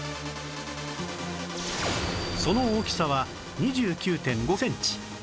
その大きさは ２９．５ センチ